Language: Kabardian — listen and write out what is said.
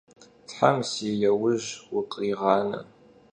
Them si yauj vukhriğane!